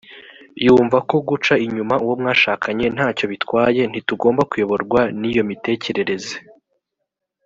yumva ko guca inyuma uwo mwashakanye nta cyo bitwaye ntitugomba kuyoborwa n iyo mitekerereze